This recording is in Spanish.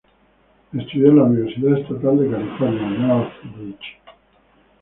Estudió en la Universidad Estatal de California, Northridge.